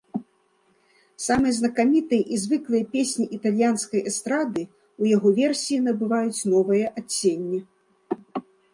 Самыя знакамітыя і звыклыя песні італьянскай эстрады ў яго версіі набываюць новае адценне.